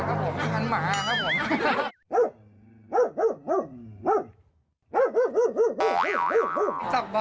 รสชาติแค่ฮันหมาครับผมฮันหมาครับผม